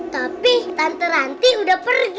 tapi tante ranti udah pergi